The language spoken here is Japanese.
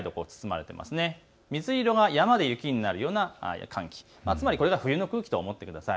水色が山で雪になるような寒気、つまりこれが冬の空気と思ってください。